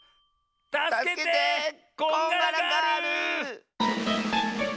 たすけてこんがらガール！